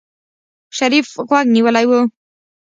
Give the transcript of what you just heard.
شريف غوږ نيولی و.